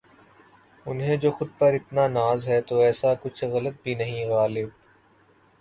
انہیں جو خود پر اتنا ناز ہے تو ایسا کچھ غلط بھی نہیں غالب